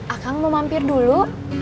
akang mau mampir dulu